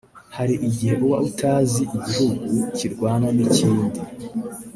Hari igihe uba utazi igihugu kirwana n'ikindi